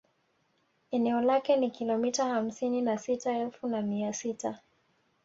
Eneo lake ni kilomita hamsini na sita elfu na mia sita